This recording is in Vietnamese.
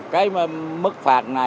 cái mức phạt